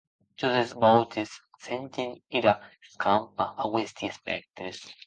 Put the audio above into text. Jos es vòutes s’enten era escampa d’aguesti espèctres.